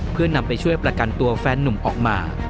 เพื่อนำไปช่วยประกันตัวแฟนนุ่มออกมา